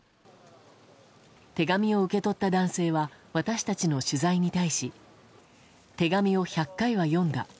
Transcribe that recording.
手紙を受け取った男性は私たちの取材に対し手紙を１００回は読んだ。